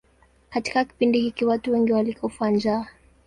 Katika kipindi hiki watu wengi walikufa njaa.